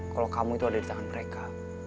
kalau kamu itu ada di tangan mereka